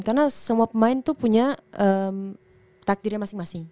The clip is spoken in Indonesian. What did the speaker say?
karena semua pemain tuh punya takdirnya masing masing